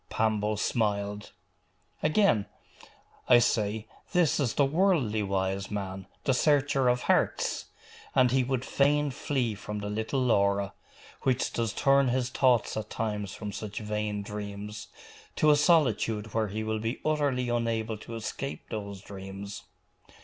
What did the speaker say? Pambo smiled. 'Again, I say, this is the worldly wise man, the searcher of hearts! And he would fain flee from the little Laura, which does turn his thoughts at times from such vain dreams, to a solitude where he will be utterly unable to escape those dreams.